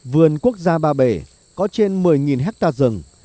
vườn quốc gia ba bể có trên một mươi hectare rừng